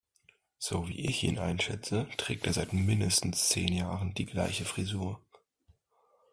So wie ich ihn einschätze, trägt er seit mindestens zehn Jahren die gleiche Frisur.